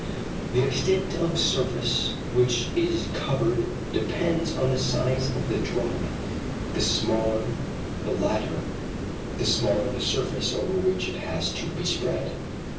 The extent of surface which is covered depends on the size of the drop, the smaller the latter, the smaller the surface over which it has to be spread.